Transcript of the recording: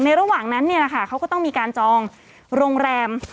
ระหว่างนั้นเขาก็ต้องมีการจองโรงแรม